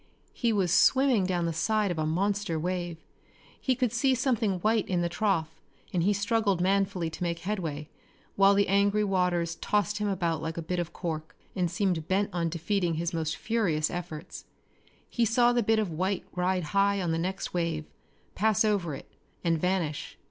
He was swimming down the side of a monster wave. He could see something white in the trough, and he struggled manfully to make headway, while the angry waters tossed him about like a bit of cork and seemed bent on defeating his most furious efforts. He saw the bit of white ride high on the next wave, pass over it and vanish.